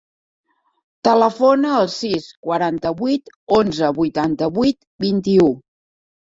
Telefona al sis, quaranta-vuit, onze, vuitanta-vuit, vint-i-u.